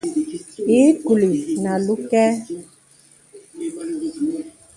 Ìì kùlì nə̀ àlū kɛ̄.